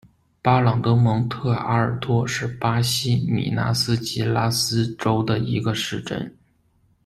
巴朗德蒙特阿尔托是巴西米纳斯吉拉斯州的一个市镇。